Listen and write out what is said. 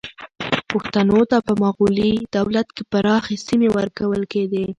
پښتنو ته په مغلي دولت کې پراخې سیمې ورکول کېدې.